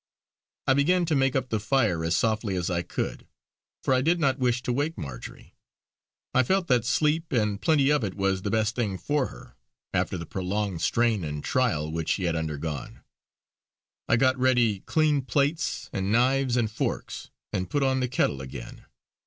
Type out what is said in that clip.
I began to make up the fire as softly as I could, for I did not wish to wake Marjory. I felt that sleep and plenty of it was the best thing for her after the prolonged strain and trial which she had undergone. I got ready clean plates and knives and forks, and put on the kettle again.